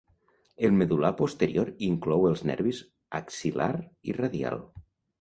El medul·lar posterior inclou els nervis axil·lar i radial.